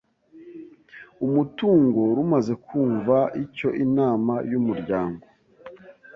umutungo rumaze kumva icyo Inama y umuryango